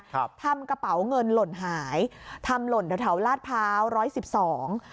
ครับทำกระเป๋าเงินหล่นหายทำหล่นแถวแถวลาดพร้าวร้อยสิบสอง